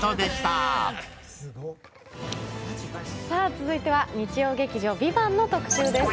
続いては日曜劇場「ＶＩＶＡＮＴ」の特集です。